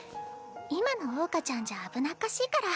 今の桜花ちゃんじゃ危なっかしいから。